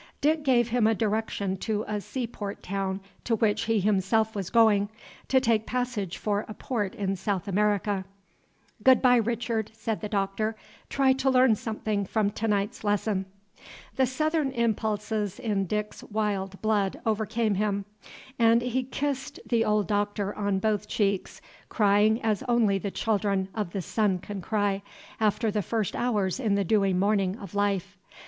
Dick gave him a direction to a seaport town to which he himself was going, to take passage for a port in South America. "Good bye, Richard," said the Doctor. "Try to learn something from to night's lesson." The Southern impulses in Dick's wild blood overcame him, and he kissed the old Doctor on both cheeks, crying as only the children of the sun can cry, after the first hours in the dewy morning of life.